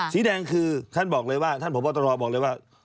สีแดงคือท่านบอกเลยว่าท่านพบตรบอกเลยว่า